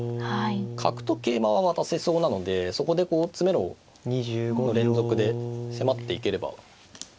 角と桂馬は渡せそうなのでそこで詰めろを連続で迫っていければ。